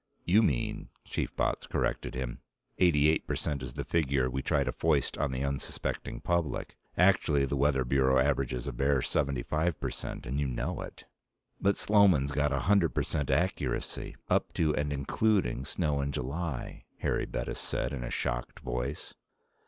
"You mean," Chief Botts corrected him, "eighty eight percent is the figure we try to foist on the unsuspecting public. Actually, the Weather Bureau averages a bare seventy five percent, and you know it." "But Sloman's got a hundred percent accuracy up to and including snow in July," Harry Bettis said in a shocked voice.